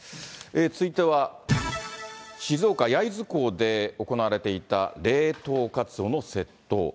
続いては静岡・焼津港で行われていた冷凍カツオの窃盗。